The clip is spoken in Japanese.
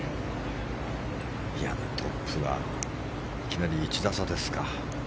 トップがいきなり１打差ですか。